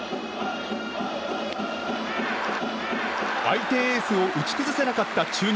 相手エースを打ち崩せなかった中日。